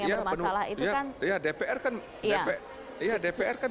yang bermasalah itu kan ya dpr kan